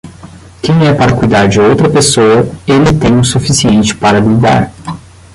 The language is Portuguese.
Quem é para cuidar de outra pessoa, ele tem o suficiente para lidar.